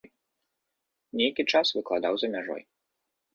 Нейкі час выкладаў за мяжой.